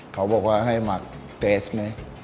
เขาบอกให้มาเตสมั้ย